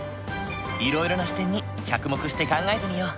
いろいろな視点に着目して考えてみよう。